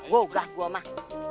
gugah gua mah